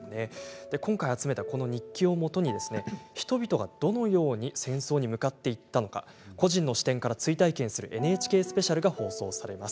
今回集めたこの日記をもとに、人々がどのように戦争に向かっていったのか個人の視点から追体験するＮＨＫスペシャルが放送されます。